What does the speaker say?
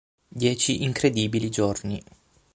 Dieci incredibili giorni